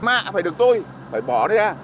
mà phải được tôi phải bỏ ra